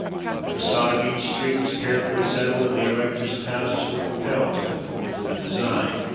The facade of each street was carefully settled, and the erectors of houses were compelled to conform to the design.